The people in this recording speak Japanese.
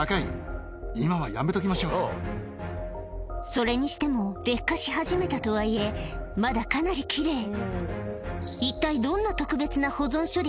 それにしても劣化し始めたとはいえまだかなり奇麗一体